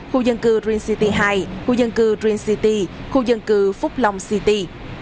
khu dân cư dream city hai khu dân cư dream city khu dân cư phúc long city